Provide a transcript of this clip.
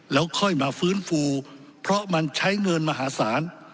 แล้วค่อยมาฟื้นฟูเพราะมันใช้เงินมหาศาล